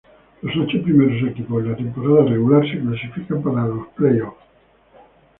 Los ocho primeros equipos en la temporada regular se clasifican para los playoffs.